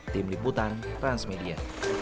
tim liputan transmedia